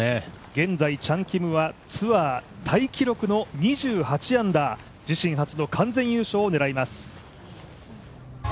現在チャン・キムはツアータイ記録の２８アンダー自身初の完全優勝を狙います。